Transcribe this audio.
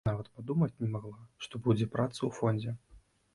Нават падумаць не магла, што будзе праца ў фондзе.